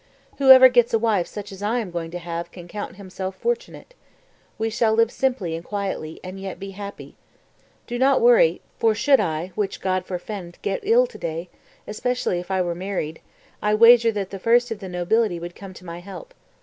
Whoever gets a wife such as I am going to have can count himself fortunate. We shall live simply and quietly, and yet be happy. Do not worry; for should I (which God forefend!) get ill today, especially if I were married, I wager that the first of the nobility would come to my help....